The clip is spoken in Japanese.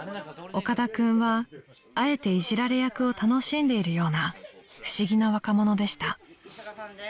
［岡田君はあえていじられ役を楽しんでいるような不思議な若者でした］